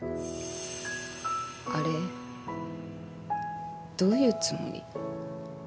あれどういうつもり？